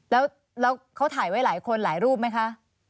แล้วเขาถ่ายไว้หลายคนหลายรูปไหมคะ